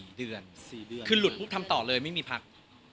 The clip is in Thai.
ประมาณ๔เดือนคือหลุดฟลุกทำต่อเลยไม่มีพัก